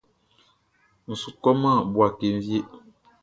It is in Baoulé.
N su kɔman Bouaké wie.